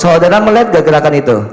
saudara melihat gerakan itu